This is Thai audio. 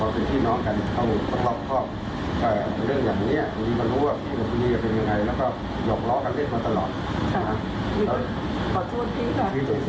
ต้องเอาไปช่วยแก้ให้พี่นะ